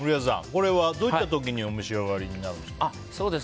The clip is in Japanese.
これは、どういった時お召し上がりになるんですか。